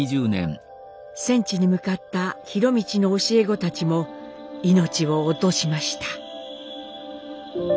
戦地に向かった博通の教え子たちも命を落としました。